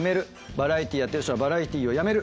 バラエティーやってる人はバラエティーをやめる。